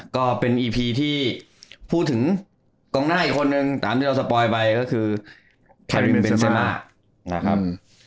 ก็เป็นอีพีที่พูดถึงกองหน้าอีกคนนึงตามที่เราสปอยไปก็คือทารินเบนเซล่านะครับ